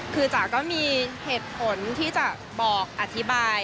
คือจ๋าก็มีเหตุผลที่จะบอกอธิบาย